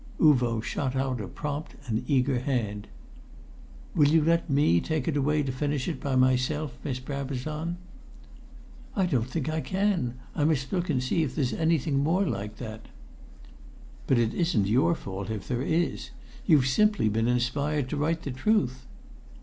Uvo shot out a prompt and eager hand. "Will you let me take it away to finish by myself, Miss Brabazon?" "I don't think I can. I must look and see if there's anything more like that." "But it isn't your fault if there is. You've simply been inspired to write the truth."